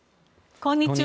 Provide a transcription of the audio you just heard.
こんにちは。